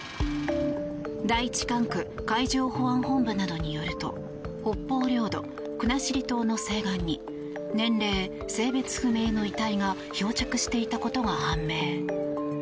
第一管区海上保安本部などによると北方領土・国後島の西岸に年齢、性別不明の遺体が漂着していたことが判明。